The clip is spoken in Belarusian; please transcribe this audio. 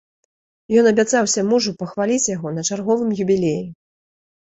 Ён абяцаўся мужу пахваліць яго на чарговым юбілеі.